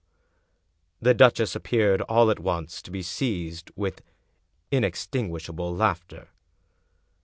" The duchess appeared, all at once, to be seized with inextinguishable laughter.